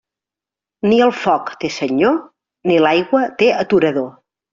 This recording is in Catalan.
Ni el foc té senyor ni l'aigua té aturador.